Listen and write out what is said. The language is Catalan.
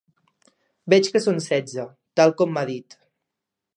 Veig que són setze, tal com m'ha dit.